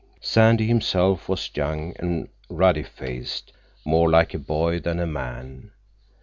Sandy himself was young and ruddy faced, more like a boy than a man.